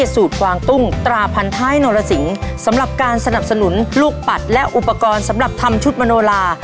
สนับสนุนลูกปัดและอุปกรณ์สำหรับทำชุดมโนลา